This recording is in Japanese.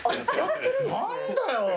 何だよ。